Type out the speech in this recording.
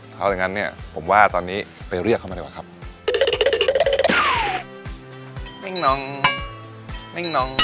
ถ้าอย่างนั้นเนี่ยผมว่าตอนนี้ไปเรียกเขามาดีกว่าครับ